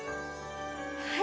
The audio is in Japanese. はい！